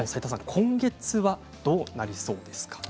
今月はどうなりそうですか？